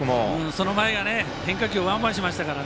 その前がね変化球、ワンバンしましたから。